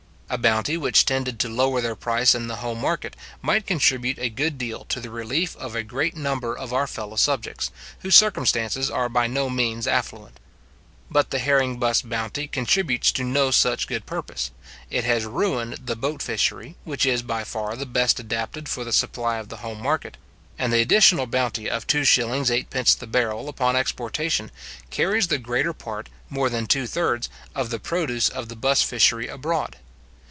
A bounty which tended to lower their price in the home market, might contribute a good deal to the relief of a great number of our fellow subjects, whose circumstances are by no means affluent. But the herring bus bounty contributes to no such good purpose. It has ruined the boat fishery, which is by far the best adapted for the supply of the home market; and the additional bounty of 2s:8d. the barrel upon exportation, carries the greater part, more than two thirds, of the produce of the buss fishery abroad.